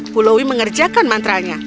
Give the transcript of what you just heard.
pulaui mengerjakan mantra nya